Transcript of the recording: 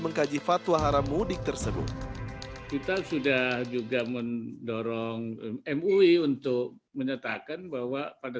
mengkaji fatwa haram mudik tersebut kita sudah juga mendorong mui untuk menyatakan bahwa pada